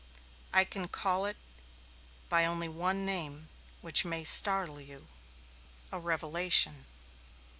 I can only call it by one name, which may startle you. A revelation."